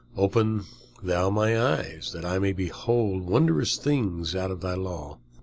"Open thou mine eyes, that I may behold wondrous things out of thy law."